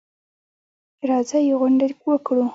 راځئ غونډه وکړو.